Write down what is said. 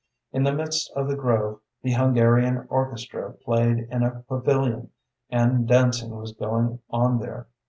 In the midst of the grove the Hungarian orchestra played in a pavilion, and dancing was going on there.